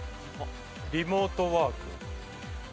リモートワーク。